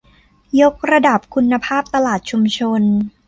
ยกระดับคุณภาพตลาดชุมชน